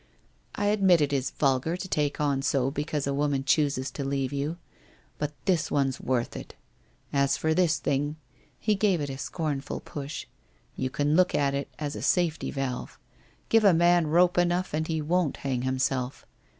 I admit it is vulgar to take on so because a woman chooses to leave you. But this one's worth it. As for this thing '— he gave it a scornful push —' you can look on it as a safety valve. Give a man rope enough and he won't hang himself.